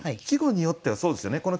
季語によってはそうですよね。